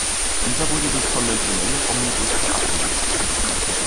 Dieser wurde durch konventionelle Omnibusse abgelöst.